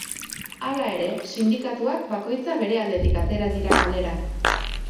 Hala ere, sindikatuak bakoitza bere aldetik atera dira kalera.